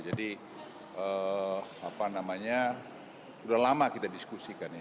jadi apa namanya sudah lama kita diskusikan ini